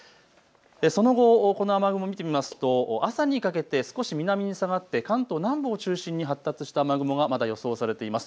その後、この雨雲、見てみますと朝にかけて少し南に下がって関東南部を中心に発達した雨雲がまだ予想されています。